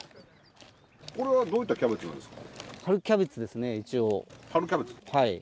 これはどういったキャベツですか？